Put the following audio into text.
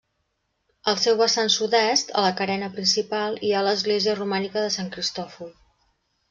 Al seu vessant sud-est, a la carena principal, hi ha l'església romànica de Sant Cristòfol.